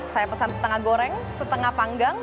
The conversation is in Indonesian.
saya pesan setengah goreng setengah panggang